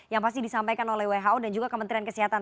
yang pasti disampaikan oleh who dan juga kementerian kesehatan